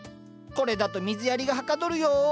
これだと水やりがはかどるよ。